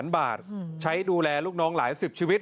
๐บาทใช้ดูแลลูกน้องหลายสิบชีวิต